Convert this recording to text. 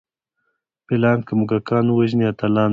فیلان که موږکان ووژني اتلان نه دي.